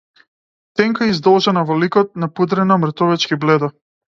Тенка и издолжена во ликот, напудрена мртовечки бледо.